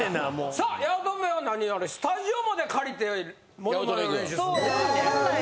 さあ八乙女は何あれスタジオまで借りてモノマネの練習するの。